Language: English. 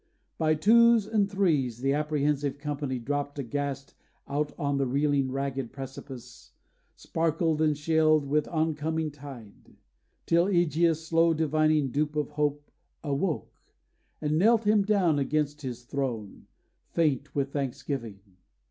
By twos and threes The apprehensive company dropped aghast Out on the reeling ragged precipice Sparkled and shelled with the oncoming tide: Till Ægeus, slow divining dupe of hope, Awoke, and knelt him down against his throne, Faint with thanksgiving.